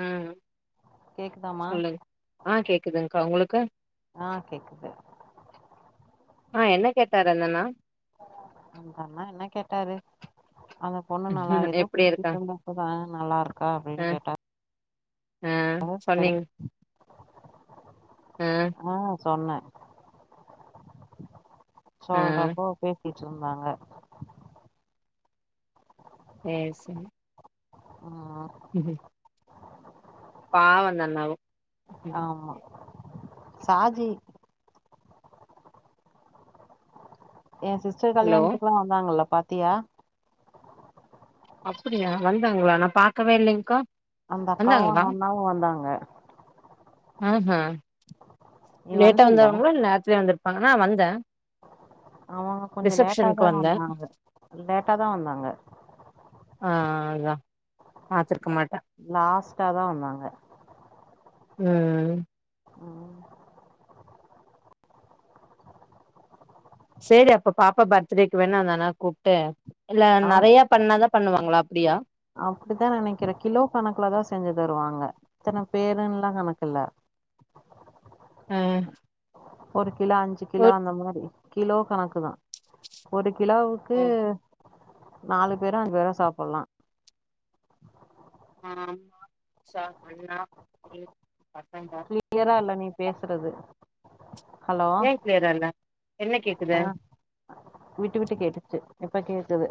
ம் கேக்குதாமா சொல்லுங் ஆ கேக்குதுங்க்கா உங்களுக்கு ஆ கேக்குது ஆ என்ன கேட்டாரு அந்த அண்ணா அந்த அண்ணா என்ன கேட்டாரு அந்த பொண்ணு நல்லா ஏதோ எப்டி இருக்கா பேசிட்ருந்தப்பதா நல்லா இருக்கா அப்டின் அ கேட்டா ஆ சரி, சொன்னீங் ஆ சொன்ன ஆ சொல்றப்போ பே ட்ருந்தாங்க சேரி சே ம் ஹம் பாவொ அந்த அண்ணாவு ஆமா சாஜி ஏ சிஸ்டர் ஹலோ கல்யாணத்துக்குலா வந்தாங்கல்ல பாத் த்தியா அப்டியா வந்தாங்களா நா பாக்கவே இல்லைங்கா அந்த அக்காவு அந்த அண்ணாவு வந்தாங்க ஆஹ் ஹ் நீ வந்த லேட்டா வந்தாங்களா இல்ல நேர்த்லே வந்ரு பாங்க வந்தே அவங்க கொஞ்ஜோ ரிசப்ஷனுக்கு லேட்டாதா வந்தே வந்தாங்க லேட்டாதா வந்தாங்க ஆஹ் அதா பாத்ருக்க மாட் லாஸ்ட்டாதா வந்தாங்க உம் உம் செரி அப்ப பாப்பா பர்த்டேக்கு வேனா அந்த அண்ணாவ கூப்ட்டு இல்ல ஆ நெறையா பண்ணாதா பண்ணுவாங்களா அப்டியா அப்டித்தா நெனைக்கிறே கிலோ கணக்குலதா செஞ்சு தருவாங்க இத்தன பேருன்லா கணக்கு இல்ல ம் ஒரு கிலோ அஞ்சி கிலோ அந்த மாரி கிலோ கணக்கு தா ஒரு கிலோவுக்கு நாலு பேரு அஞ்சு பேரு சாப்பெல்லா ஆமா சாப்பெட்லா ஏ கிளியரா இல்ல நீ பேஷ்றது ஹலோ ஏன் கிளியரா இல்ல என்ன கேக்குது ஆ விட்டு விட்டு கேட்டுச்சு இப்ப கேக்குது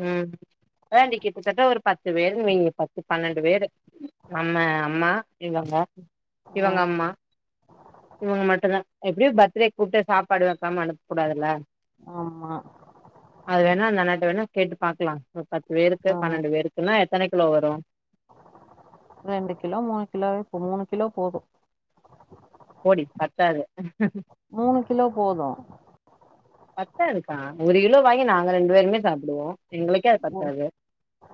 ம் வேண்டி கிட்டத்தட்ட ஒரு பத்து பேருக்கு வெய்யி பத்து பன்னெண்டு பேரு ஆமா அம்மா இவங்க ஆ இவங்க அம்மா இவங்க மட்டுந்தா எப்டியு பர்த்டேக்கூப்ட்டு சாப்பாடு வெக்காம அனுப்க்கூடாதுல்ல ஆமா அது வேணா அந்த அண்ணேட்ட வேணா கேட்டு பாக்லாம் ஒரு பத்து பேருக்கு ஆ பன்னெண்டு பேருக்குன்னா எத்தன கிலோ வரு ரெண்டு கிலோ மூணு கிலோவே மூனு கிலோ போது போடி பத்தாது மூணு கிலோ போது பத்தாதுப்பா ஒரு கிலோ வாங்கி நாங்க ரெண்டு வேருமே சாப்பிடுவோம் ஓ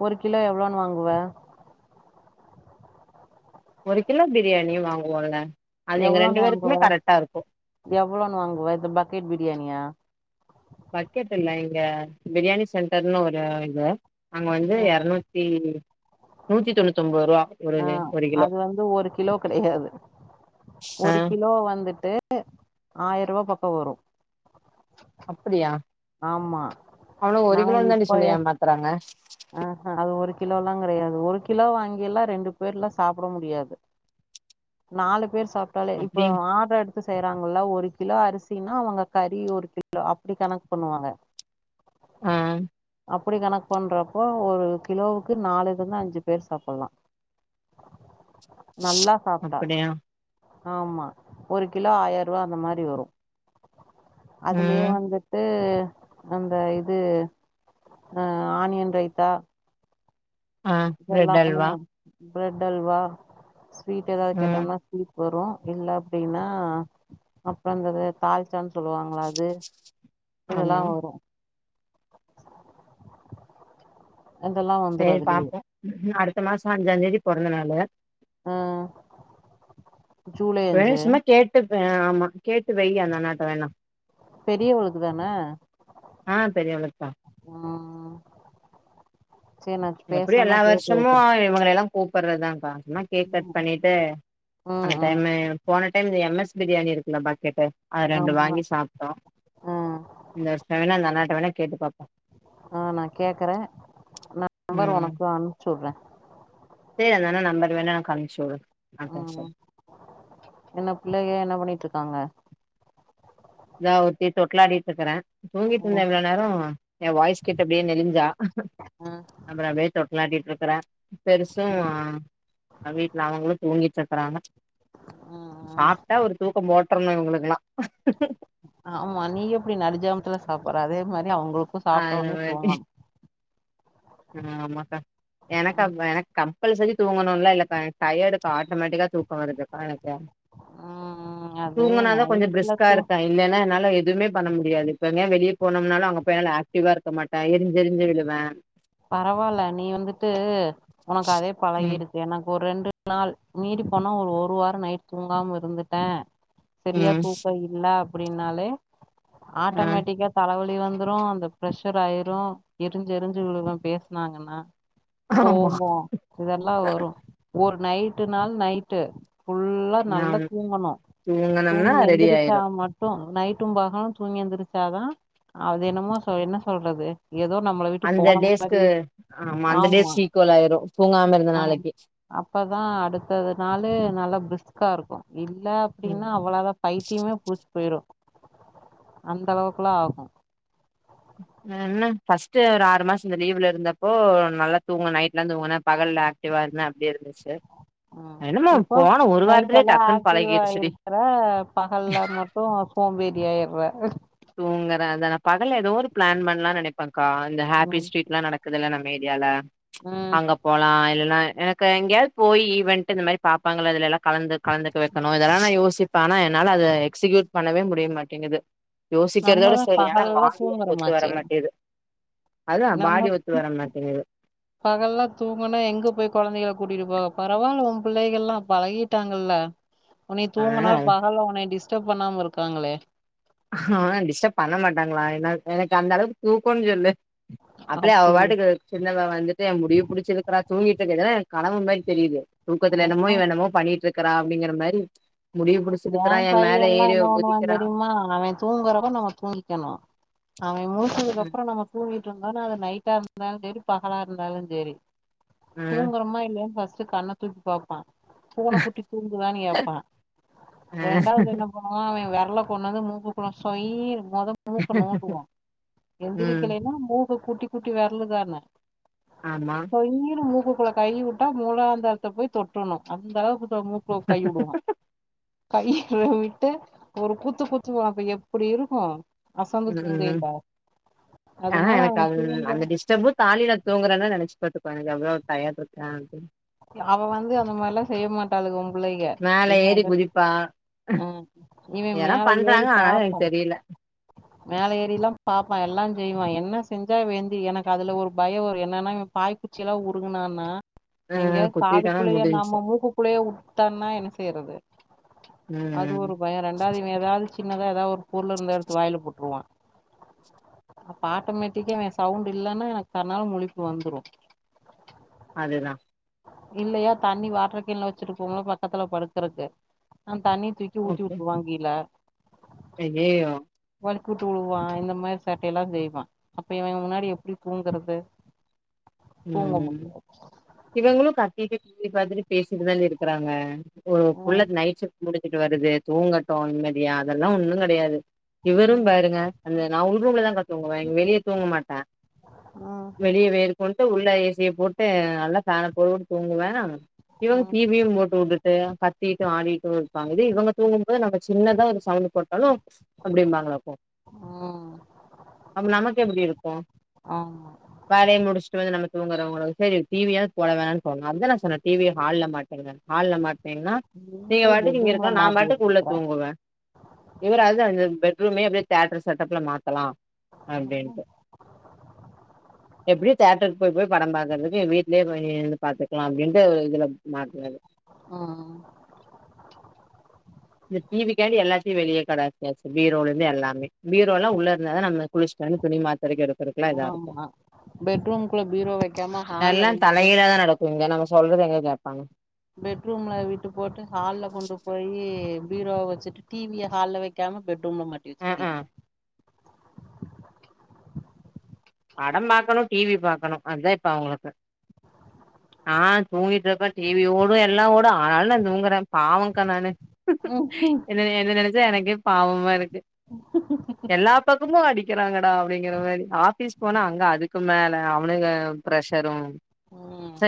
ஒரு கிலோ எவ்ளோன்னு வாங்குவே ஒரு கிலோ பிரியாணிய வாங்குவோல்ல அது எங்க எவ்ளோன்னு ரெண்டு வாங்குவ பேருக்குமே கரெக்டா இருக்கு எவ்ளோன்னு வாங்குவ இந்த பக்கெட் பிரியாணியா பக்கெட் இல்ல இங்க பிரியாணி சென்டர்னு ஒரு இது அங்க வந்து ம். இறநூத்தி நூத்தி தொண்ணூத்தொம்பது ரூவா ஆஹ அது வந்து ஒரு கிலோ கிடையாது ஆ ஒரு கிலோ வந்துட்டு ஆயர்ரூவா பக் கோ வரும் அப்படியா அவனுங்க நா ஒரு கிலோன்னு தாண்டி சொல்லி இப்பயே ஏமாத்துறாங்க ஆஹ அது ஒரு கிலோ எல்லா கிடையாது ஒரு கிலோ வாங்கி எல்லா ரெண்டு பேரெலா சாப்பிட முடியாது நாலு பேர் சாப்ட்டாலே இப்ப அப்படி ஆர்டர் எடுத்து செய்யறாங்கல்ல ஒரு கி கிலோ அரிசினா அவங்க கறி ஒரு கிலோ அப்டி கணக்கு பண்ணுவாங்க ஆஹ அப்படி கணக் பண்றா அப்போ ஒரு கிலோவுக்கு நாலு இருந்து அஞ்சு பேர் சாப்பிடலாம் நல்லா சாப்ட்டா அப்படியா ஆமா ஒரு கிலோ ஆயர்ருவா அந்த மாதிரி வரும் அதுலேயே ம் வந்துட்டு அந்த இது ஆ ஆனியன் ரைத் தா ஆஹ பிரெட் அல்வா ப்ரெட் அல்வா வீட்ட ஏதாவது ம் கேட்டன்னா வரும் இல்ல அப்டின்னா அப்றந்தது தாய் ச்சன் சொல்லுவாங்களா அது இதெல்லா ஆமா வரும் [unintelligible] சரி பாப்போம் அடுத் த்து மாசம் அஞ்சாந்தேதி பொறந்தனாலு ம் ம் ஜூலை அஞ்சு ஏ ஆமா கேட்டு வெய் அந்த அண்ணாட்ட வேணா பெரியவளுக்குதானே ஆ பெரியவளுக்குதா உம் நா எப்படியு பேசுனேன்னா எல்லா கேட்டு வருஷமு வைக்கிறே ஆ இவுங்களையெல்லா கூப்பர்றதா [unintelligible] கேக் கட் ம் பண்ணிட்டு அந்த ம் டைம்மு போன என்து எம் எஸ் பிரியாணி இருக்குல்ல பக்கெட்டு அ ரண்டு ஆமா வாங்கி சாப்ட்டோ ம் இந்த [unintelligible] வேனா நல்லாரு ட வேனா கேட்டு பாப்போ ஆ நா கேக்கறே நா நம்பர் ம் உனக்கு அனுப்ச்சி உடறே ம்பர் வேணா எனக்கு அனுப்ச்சு உடு ம் என்ன பிள்ளைக என்ன பண்ணிட்ருக்காங்க தா ஒருத்தி தொட்டிலாடிட்ருக்குறே தூங்கிட்ருந்த ம் இவ்ள நேரோ எ வாய்ஸ் கேட்டு அப்டியே நெளிஞ்சா ம் அப்ற அப்டியே தொட்டலாட்டிட்ருக் கறே பெருசு அ வீட்டுல அவங்களு தூங்கிட் ருக்கறாங்க ம் ம் சாப்ட்டா ஒரு தூக்கம் போட்றனு இவ ங்ளுக்ளா ஆமா நீ எப்புடி நடுஜாமத்துல சாப்புடற அதே மாரி அவுங்களுக்கு சாப்ட்ட உனே தூங்கணு அ ஆமாக்க ம் எனக்காவ் எனக்கம் கம்பல்சரி தூங்கணுன்லா இல்லக்கா எனக்கு டயடுக்கா ஆட்டோமேட்டிக்கா தூக்க வருதுக்கா எனக்கு ம் அது தூங்குனாதா கொஞ்ச நைட்ல பிரிஸ்க்கா தூ இருப்பே இல்லைன்னா என்னால எதுமே பண்ண முடியாது இப்ப எங்கயாது வெளிய போனோம்னாலு அங்க போய் என்னால ஆக்டிவா இருக்க மாட்டே எரிஞ்சு எரிஞ்சு விழுவ பரவால்ல நீ வந்துட்டு உனக்கு அதே ம் பழகிருக்கு எனக் ஒரு ரெண்டு நாள் மீறி போனா ஒரு ஒரு வார நைட் தூங்காம இருந்துட்டே சரியா ம் தூக்க இல்ல அப்டின்னாலே ஆ ஆட்டோமேட்டிக்கா தல வலி வலி வந்துரு அந்த பிரஷர் ஆயிரு எரிஞ்சு எரிஞ்சி விழுவ பேசுனாங்கன்னா ஆமா கோவோ இதெல்லா வரு ஒரு நைட்டு நாள் நைட்டு ஃபுல்லா நல்லா நாம் தூங்கணு தூங்கனம்னா தூங்கி ரெடி எந்திரிச்சா ஆயிரு மட்டு நைட்டும் பகலும் தூங்கி எந்திருச்சாதா அது என்னமோ ச என்ன சொல்றது ஏதோ நம்மள விட்டு அந்த போன டேஸ்க்கு ஆமா அந்த டேஸ் இக்கோலாயிரு தூங்காம இருந்த ஆ நாளைக்கு அப்பதா அடுத்தது நாளு நல்லா பிரிஸ்கா இருக்கு இல்ல ம் அப்டின்னா அவ்ளோதா பைத்தியமே புடிச்சு போயிரு அந்த அளவுக்குல்லா ஆகு என்ன ஃபர்ஸ்ட்டு ஒரு ஆறு மாச இந்த லீவ்ல இருந்தப்போ நல்லா தூங்குன நைட்ல்லா தூங்குன பகல் ஆக்டிவா இருந்தே அப்டி இருந்துச்சு ம் என்னமோ இப்போ போன ஒரு நைட் வாரத்துலயே எல்லா டக்குன்னு ஆக்டிவா பழகிடுச்சுடி இருக்கிற பகல்ல மட்டு சோம்பேறியா ஆயி வ தூங்கர அதத பகல்ல ஏதோ ஒரு பிளான் பண்லா நெனப்பேக்கா இந்த ஹாப்பி ம் ஸ்ட்ரீட்லா நடக்குதுல ந மீடியால ம் அங்க போலா இல்ல எனக்கு எங்கயாவது போய் ஈவன்ட் இந்த மாரி பாபாங்களா அதுலெல்லா கலந்து கலந்துக்க வைக்கணு அதெல்லா நா யோசிப்பா ஆனா என்னால அத எக்ஸிக்யூட் பண்ணவே முடிய மாட்டேங்குது யோசிக்கிறதோட நம்மதா சரி ஆனா பகல்லா வாங்கிய ஒத்து வர தூங்குறோமாச்சே மாட்டேது நம்ம பகல்லா தூங்கனா எங்க போய் கொழந்தைகளுக்கு கூட்டிட்டு போக பரவால்ல ஓ புள்ளைகள்லா பழகிட்டாங்கல்ல உன்னை ஆ தூங்குனா பரவா உன்ன டிஸ் டிஷ்டப் பண்ணாம இருக்காங்ளே ஆ டிஸ்டர்ப் பண்ண மாட்டாங்ளா என்ன எனக்கு அந்தளவுக்கு தூக்கன்னு சொல்லு அப்டியே அவ அப்டி பாட்டுக்கு சின்னவ வந்துட்டு எ முடிய புடிச்சிழுக்றா தூங்கிட்டுக்கற கனவு மாரி தெரிது தூக்கத்ல என்னமோ ஆமா இவ என்னமோ பண்ணிட்ருக் க்கறா அப்டிங்கற மாரி முடிய புடிச்சு இழுக்கறா என் எ மேல ஏறி குதிக்கிறா தூங்கறப்ப நம்ம தூங்கிக்கணு அவ ம், முழிச்சதுக்கப்ற நம்ம தூங்கிட்டு இருந்தா அது நைட்டாருந்தாலு சேரி பகலாருந்தாலு சேரி ம், தூங்குறமா இல்லியா பஸ் ட்டு கண்ண தூக்கி பாப்பா பூன குட்டி தூங்குதானு கேப்பா ம், ரெண்டாவது என்ன பன்னுவா பைய விரல கொண்டந்து மூக்குக்குள்ள சொய்னு முத மூக்க நோண்ட்டுவோ ம். எந்திரக்கலினா மூக் கு குட்டி குட்டி வெரலுதான ஆமா. சொய்னு மூக்குக்கு குள்ள கை வுட்டா மூலாந்தாரத்த போய் தொட்றுணும் அந்தளவுக்கு மூக்ல கை வுடுவா கை ற விட்டு ஒரு குத்து குத்துவா அப்ப எப்பிடியிருக்கும் ம் ம் ம் ஆனா அதனால அவ எனக்கு அ தூங்கி அந்த டிஸ்டர்பும் தாலில தூங்குறேனா நினைச்சு பாத்த எவ்ளோ டயட்லருக்கான்டு அவ வந்து அந்த மாரிலா செய்யமாட்டாளுக உங்க மேல ஏறி குதிப்பா ஆ இவ எலா மேல ஏறி பண்றாங்க ஆனாலும் பாப்பா எனக்கு தெரில மேல ஏறிலாம் பாப்பா எல்லாஞ்செய்வா என்ன செஞ்சா வேந்தி எனக்கு அதுல ஒரு பயம் ஒரு என்னனா பாய்க்குச்சிலா உருங்கனான்னா அ எங்கிய குத்திட்டோனா காதுக்குள்ளைய முடிஞ்ச்சு. நாம மூக்குக்குள்ளைய உட்டானா என்ன செய்றது அது ம். ஒரு பயம் ரெண்டாவது இவ ஏதாது சின்னதா ஏதா ஒரு பொருலுருந்தா எடுத் த்து வாயில போட்டுருவா அப்ப ஆட்டோமேட்டிக்கா சவுண்டு இல்லனா எனக்கு தன்னால முழிப்பு வந்துரும் அதுதா இல்லையா தண்ணி வாட்டர் கேன்ல வச்சிருப்போம்ல பக்கத்ல படுக்கறக்கு அ தண்ணி தூக்கி ஊத்தி வுட்ருவாங்கீழ ஐயையோ வழிக்கூட்டு வுலுவா இந்த மாரி சேட்டைலா செய்வா அப்ப இவ முன்னாடி எப்டி தூங்கறது ம் இவங்ளும் கத்திட்டு சொல்லி பார்த்துட்டு பேசிட்டுதானே இருக்கறாங்க ஒரு ம் புள்ள நைட் சிப்ட் முடிச்சுட்டு வருது தூங்கட்டும் நிம்மதியா அதெல்லாம் ஒன்னும் கிடையாது இவரும் பாருங்க அந்த நான் உங்கதான்ங்க தூங்குவேன்ங்க வெளியே தூங்க மாட்டேன் ம் வெளிய வே போட்டு உள்ள ஏசிய போட்டு நல்லா ப்பேண போட்டு தூங்குவேன் இவங்க ம் டீவி யும் போட்டுவிட்டு கத்திட்டு ஆடிட்டு இருப்பாங்க இது இவங்க தூங்கும் போது நம்ம சின்னதா ஒரு சவுண்ட் போட்டாலும் அப்படிம்பாங்களாப்ப ம் அப்ப நமக்கு எப்படி இருக்கும் ஆமா வேலையை முடிச்சு நம்ம தூங்ககறவங்கள சரி டிவியாது போடலாம்னு போட்டா சொன்ன டிவிய ஹால்ல மாட்டிடுங்கனு ஹால்ல மாட்டு ஏன்னா நீ நீங்க போய் பாட்டுக்கு இங்க பெட்ரூம்ல இருக்க நான் மாட்டி பாட்டுக்கு உள்ள வச்சிருக்கற தூங்குவன் இவராவது அந்த பெட் ரூம்யுமே அப்படியே தேட்டர் செட்டப்ல மாத்தலாம் அப்படின்னுட்டு எப்படி போய் போய் படம் பாக்குறதுக்கு வீட்லயே போய் இந்து பாத்துக்லா அப்டின்ட்டு இதுல மாட்னது அ அ இந்த டிவிக்காண்டி எல்லாத்தியு வெளிய கடாசியாச்சி பீரோலேந்து எல்லாமே பீரோலா உள்ள இருந்தா தா நம்ம குளிச்சிட்டு வந்து துணி மாத் ஆமா பெட்ரூம்குள்ள பீரோ வெக்காம ஹால்ல எல்லா கொண்டு போய் தலைகீழாதா நடக்கு இங்க நம்ம சொல்றது எங்க கேப்பாங்க பெட்ரூம்ல விட்டு போட்டு ஹால்ல கொண்டு போய் பீரோவ வெச்சிட்டு டிவிய ஹால்ல வெக்காம பெட் ரூம்ல மாட்டி ம் வச்சிருக்கீங் ம் படம் பாக்கணு டிவி பாக்கணு அத்தா இப்ப அவுங்களுக்கு ஆ தூங்கிட்ருப்ப டிவி ஓடு எல்லா ஓடு ஆனாலு நா தூங்குற பாவொங்க்கா நானு ம் என்ன என்ன நெனச்சா எனக்கே பாவமா இருக் கு எல்லா பக்கமு அடி க்கிறாங்கடா அப்டிங்கிற மாரி ஆஃபிஸ் போனா அங்க அதுக்கு மேல அவனுங்க ப்ரஷரு ம் ச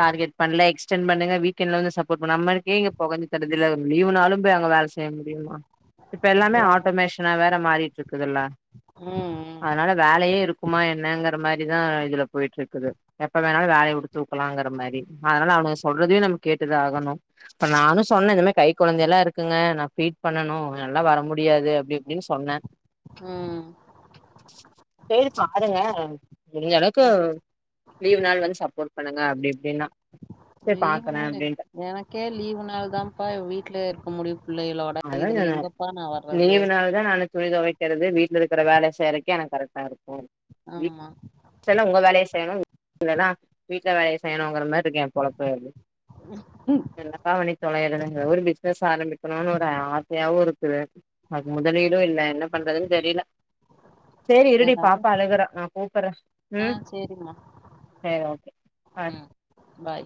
டார்கேட் பண்ல எக்ஸ் டன் பண்ணுங்க வீக்கெண்ட்ல வந்து சப்போட் பண்ணாம நமக்கே இங்க பொகஞ்சி தல்லுதுல லீவ்னாலும் போய் அங்க வேலை செய்ய முடியுமா இப்ப எல்லாமே அவ்ளோதா ஆட்டோமேஷனா வேற மாரி ட்ருக்குதுல்ல ம் ம் [unintelligible] இருக்குமா என்னங்கற மாரிதா இதுல போயிட்ருக்குது எப்ப வேணாலு வேலைய உட்டு தூக்கலாங்கற மாரி அதனால அவங்க சொல்றதையு நம்ம கேட்டுதா ஆகணு இப்ப நானு சொன்ன இந்த மா கை கொழந்தையெல்லா இருக்குங்க நா ஃபீட் பண்ணனு என்னாலா வர முடியாது அப்டி இப்டின் சொன்ன ம் [unintelligible] பாருங்க முடிஞ்சளவுக்கு ம் லீவ் நாள் வந்து சாப்போட் பண்ணுங்க அப்டி இப்டினா லீவ் நாளு எனக்கே லீவ் நாள் தாம்ப்பா வீட்ல இருக்க முடியு புள்ளைய அதா சொன்ன லீவ் நாள்தா நானு துணி தொவக்கிறது வீட்ல இருக்குற வேல செய்யறக் கு எனக் கரெக்ட்டா இருக்கு வீ ஆமா லலா உங்க வேலைய செய்யணு [inaudible] [unintelligible] வேலைய செய்யணுங்கற மாரி இருக்கு ஏ பொழப்பு அப்டி ம் என்னப்பா பண்ணி தொலையுறதுங்குற ஒரு பிஸ்னஸ் ஆரம்பி ப நானு ஆசையாவு இருக்குது அது முதலீடு ம் இல்ல என்ன பண்றதுன் தெரில சேரி இருடி ஏதாவது பாப்பா அழுகுறா நா கூப்புர்ற ஆ ம் சேரிம்மா சேரி ஓகே பார் ம் பாய்